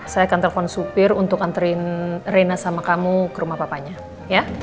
saya akan telepon supir untuk anterin rena sama kamu ke rumah papanya ya